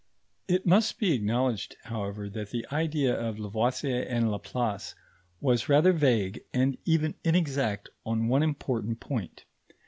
It must be acknowledged, however, that the idea of Lavoisier and Laplace was rather vague and even inexact on one important point.